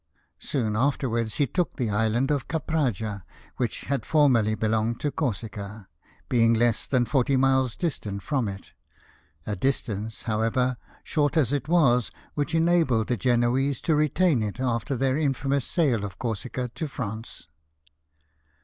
Soon afterwards he took the island of Capraja, which had formerly belonged to Corsica, being less than forty miles distant from it — a distance, however, short as it was, which enabled the Genoese to retain it, after their infamous sale of Corsica to France.